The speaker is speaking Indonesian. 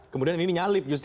kemudian ini nyalip justru